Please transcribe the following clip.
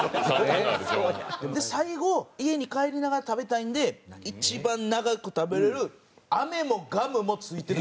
で最後家に帰りながら食べたいんで一番長く食べれるアメもガムも付いてる。